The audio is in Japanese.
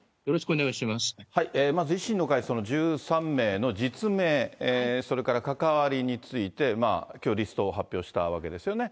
まず維新の会、その１３名の実名、それから関わりについて、きょう、リストを発表したわけですよね。